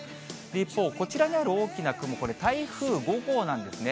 一方、こちらにある大きな雲、これ、台風５号なんですね。